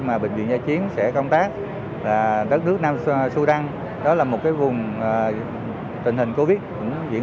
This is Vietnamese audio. mà bệnh viện giải chiến sẽ công tác là đất nước nam sudan đó là một cái vùng tình hình covid diễn